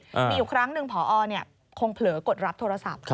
มีอยู่ครั้งหนึ่งพอคงเผลอกดรับโทรศัพท์